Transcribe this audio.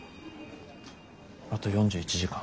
あと４１時間。